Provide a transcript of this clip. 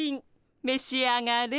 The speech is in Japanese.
めし上がれ。